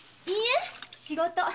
いいえ仕事。